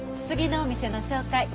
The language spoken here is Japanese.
次のお店の紹介